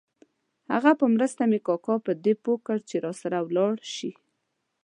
د هغه په مرسته مې کاکا په دې پوه کړ چې راسره ولاړ شي.